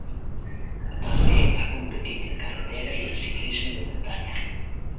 També ha competit en carretera i en ciclisme de muntanya.